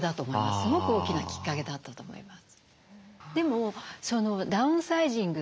すごく大きなきっかけだったと思います。